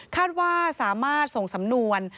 คาดว่าสามารถส่งสำนวน